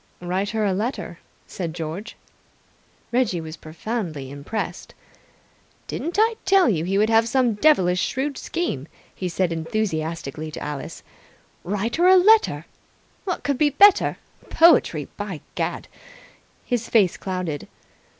"Write her a letter," said George. Reggie was profoundly impressed. "Didn't I tell you he would have some devilish shrewd scheme?" he said enthusiastically to Alice. "Write her a letter! What could be better? Poetry, by Gad!" His face clouded.